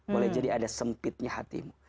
boleh jadi ada sempitnya hatimu